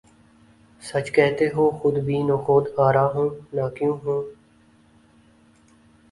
سچ کہتے ہو خودبین و خود آرا ہوں نہ کیوں ہوں